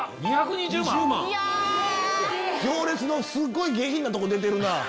２２０万⁉『行列』のすごい下品なとこ出てるなぁ。